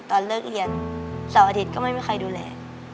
ตอนเลิกเรียนเสาร์อาทิตย์ก็ไม่มีใครดูแล